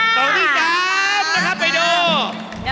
กล่องที่๓นะครับไปดู